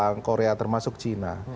jepang korea termasuk china